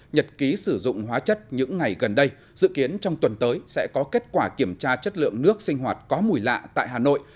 nhật ký sử dụng hóa chất những ngày gần đây dự kiến trong tuần tới sẽ có kết quả kiểm tra chất lượng nước sinh hoạt có mùi lạ tại hà nội